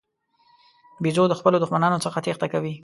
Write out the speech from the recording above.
بیزو د خپلو دښمنانو څخه تېښته کوي.